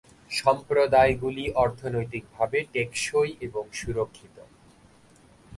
সম্প্রদায়গুলি অর্থনৈতিকভাবে টেকসই এবং সুরক্ষিত।